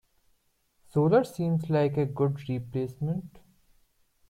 Solar seems like a good replacement.